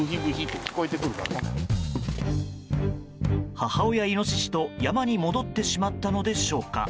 母親イノシシと山に戻ってしまったのでしょうか。